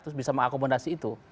terus bisa mengakomodasi itu